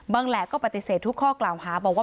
แหละก็ปฏิเสธทุกข้อกล่าวหาบอกว่า